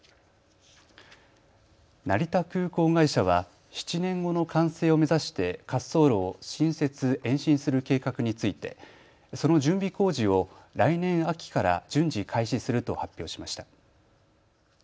成田空港会社は７年後の完成を目指して滑走路を新設・延伸する計画についてその準備工事を来年秋から順次開始すると発表しました。